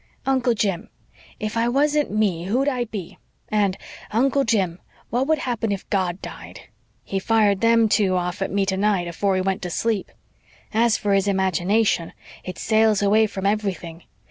'Uncle Jim, if I wasn't ME who'd I be?' and, 'Uncle Jim, what would happen if God died?' He fired them two off at me tonight, afore he went to sleep. As for his imagination, it sails away from everything.